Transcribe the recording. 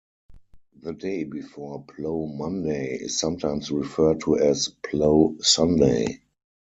The day before Plough Monday is sometimes referred to as Plough Sunday.